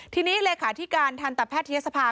ทีนี้เลยค่ะที่การทันตาแพทย์เทียสภา